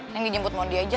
neng kita jemput mau diajak